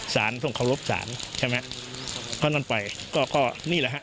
สารต้องเคารพศาลใช่ไหมเพราะฉะนั้นไปก็ก็นี่แหละฮะ